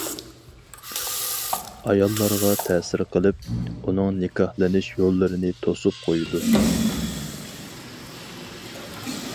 ئاياللارغا تەسىر قىلىپ، ئۇنىڭ نىكاھلىنىش يوللىرىنى توسۇپ قويىدۇ.